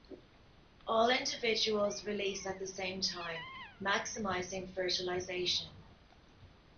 All individuals release at the same time, maximising fertilisation.